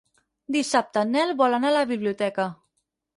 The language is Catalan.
Dissabte en Nel vol anar a la biblioteca.